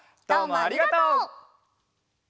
どうもありがとう！